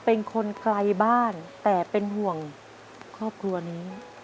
เป็นคนไกลบ้านแต่เป็นห่วงครอบครัวนี้